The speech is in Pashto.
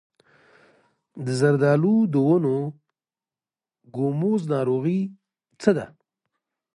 د زردالو د ونو ګوموز ناروغي څه ده؟